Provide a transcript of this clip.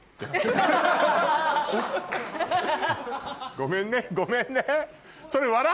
ごめんねごめんね。